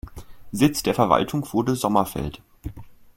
Sitz der Verwaltung wurde Sommerfeld.